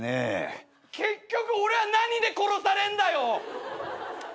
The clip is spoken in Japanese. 結局俺は何で殺されんだよ！？